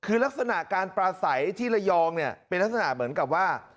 คือลักษณะการปลาใสที่ระยองเนี่ยเป็นลักษณะเหมือนกับว่า